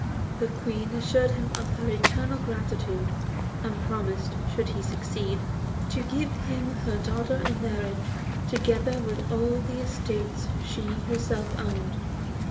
The Queen assured him of her eternal gratitude, and promised, should he succeed, to give him her daughter in marriage, together with all the estates she herself owned.